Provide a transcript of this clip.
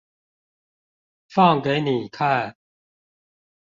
放給你看